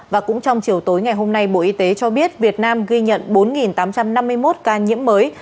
và cũng trong chiều tối ngày hôm nay bộ y tế cho biết việt nam ghi nhận bốn tám trăm năm mươi một ca nhiễm mới